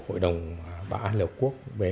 hội đồng bảo an liên hợp quốc về